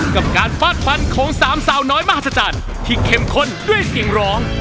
กับการฟาดฟันของสามสาวน้อยมหัศจรรย์ที่เข้มข้นด้วยเสียงร้อง